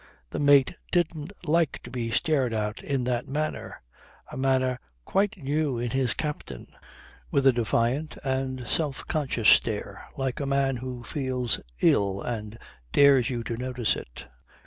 The mate didn't like to be stared at in that manner, a manner quite new in his captain, with a defiant and self conscious stare, like a man who feels ill and dares you to notice it.